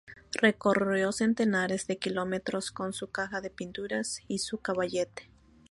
Recorrió centenares de kilómetros con su caja de pinturas y su caballete.